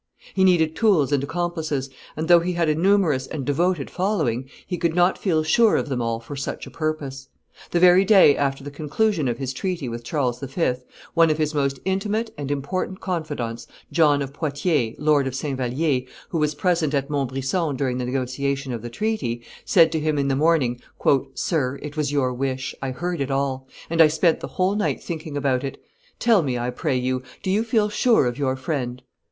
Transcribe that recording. He needed tools and accomplices; and though he had a numerous and devoted following, he could not feel sure of them all for such a purpose. The very day after the conclusion of his treaty with Charles V., one of his most intimate and important confidants, John of Poitiers, Lord of St. Vallier, who was present at Montbrison during the negotiation of the treaty, said to him in the morning, "Sir, it was your wish; I heard all; and I spent the whole night thinking about it; tell me, I pray you, do you feel sure of your friend?"